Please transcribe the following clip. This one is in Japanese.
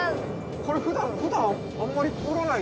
これふだんあんまり通らない。